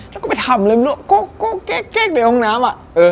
แล้วก็ไปทำเลยแกล้งในห้องน้ำอะ